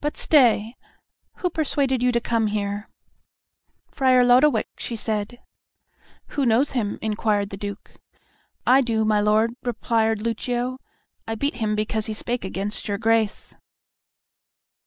But stay, who persuaded you to come here?" "Friar Lodowick," said she. "Who knows him?" inquired the Duke. "I do, my lord," replied Lucio. "I beat him because he spake against your Grace."